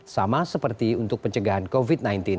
sama seperti untuk pencegahan covid sembilan belas